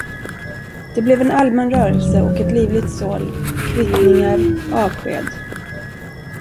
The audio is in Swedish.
Det blev en allmän rörelse och ett livligt sorl, kvittningar, avsked.